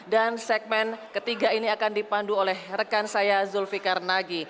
dan segmen ketiga ini akan dipandu oleh rekan saya zainal